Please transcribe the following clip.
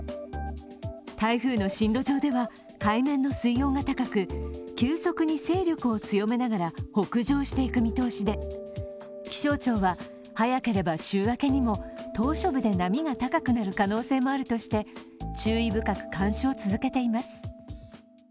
台風の進路上では、海面の水温が高く、急速に勢力を強めながら北上していく見通しで、気象庁は、早ければ週明けにも島しょ部で波が高くなる可能性もあるとして注意深く監視を続けています。